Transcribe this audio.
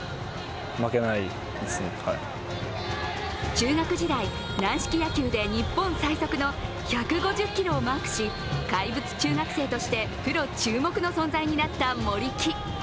中学時代、軟式野球で日本最速の１５０キロをマークし怪物中学生としてプロ注目の存在になった森木。